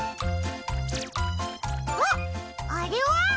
あっあれは？